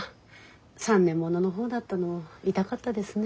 ３年ものの方だったの痛かったですね。